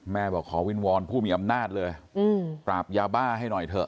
บอกขอวิงวอนผู้มีอำนาจเลยปราบยาบ้าให้หน่อยเถอะ